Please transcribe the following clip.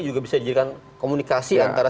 juga bisa dijadikan komunikasi antara